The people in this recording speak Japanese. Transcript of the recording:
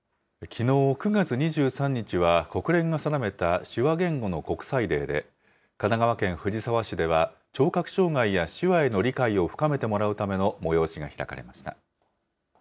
きのう、９月２３日は国連が定めた手話言語の国際デーで、神奈川県藤沢市では聴覚障害や手話への理解を深めてもらうための催しが開かれました。